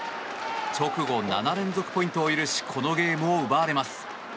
直後７連続ポイントを許しこのゲームを奪われます。